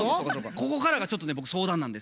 ここからがちょっと僕相談なんですけれどもね。